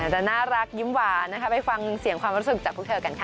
จะน่ารักยิ้มหวานนะคะไปฟังเสียงความรู้สึกจากพวกเธอกันค่ะ